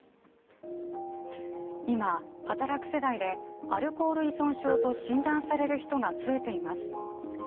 今、働く世代でアルコール依存症と診断される人が増えています。